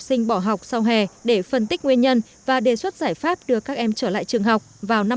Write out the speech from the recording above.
sinh bỏ học sau hè để phân tích nguyên nhân và đề xuất giải pháp đưa các em trở lại trường học vào năm